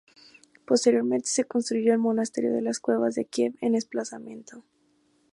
Posteriormente se construyó el Monasterio de las Cuevas de Kiev en ese emplazamiento.